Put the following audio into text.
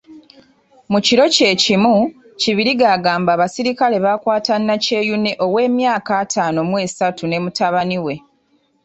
Mu kiro kye kimu, Kibirige agamba abasirikale baakwata Nakyeyune ow'emyaka ataano mu esatu ne mutabani we.